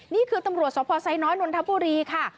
นี่คือตำรวจสพไซน้อยนนทบุรีค่ะ